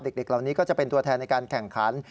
เด็กเหล่านี้ก็จะเป็นตัวแทนในการแข่งขัน